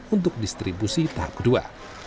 untuk distribusi tahap kedua